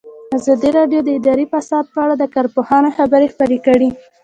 ازادي راډیو د اداري فساد په اړه د کارپوهانو خبرې خپرې کړي.